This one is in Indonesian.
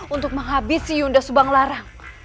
untuk menghabisi yunda subanglarang